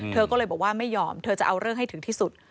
เธอก็เลยบอกว่าไม่ยอมเธอจะเอาเรื่องให้ถึงที่สุด